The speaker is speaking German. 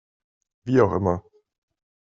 Wie auch immer.